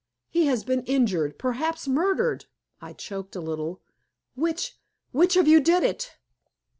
He has been injured perhaps murdered" I choked a little. "Which which of you did it?"